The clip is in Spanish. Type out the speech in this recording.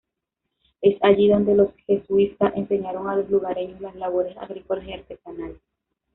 Es allí donde los jesuitas enseñaron a los lugareños las labores agrícolas y artesanales.